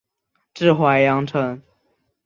治淮阳城。